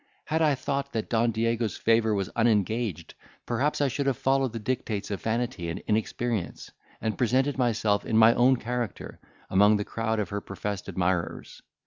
Had I thought that Don Diego's favour was unengaged, perhaps I should have followed the dictates of vanity and inexperience, and presented myself in my own character, among the crowd of her professed admirers.